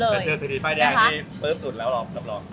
มันเจอสิทธิ์ไฟแดงที่ปึ้มสุดแล้วหรอกรับรอง